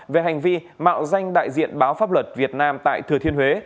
về hành vi mạo danh đại diện báo pháp luật việt nam tại thừa thiên huế